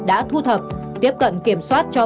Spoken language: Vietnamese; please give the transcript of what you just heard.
đã thu thập tiếp cận kiểm soát cho